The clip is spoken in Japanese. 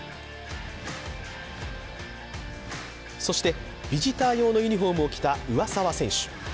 そして、ビジター用のユニフォームを着た上沢選手。